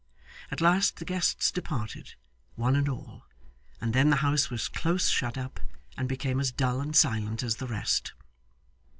At last the guests departed, one and all; and then the house was close shut up, and became as dull and silent as the rest.